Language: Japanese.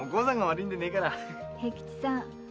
平吉さん。